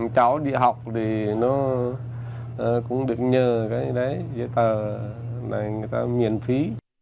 cháu đi học thì nó cũng được nhờ cái đấy giấy tờ này người ta miễn phí